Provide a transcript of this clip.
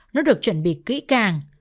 nó được chuẩn bị kỹ càng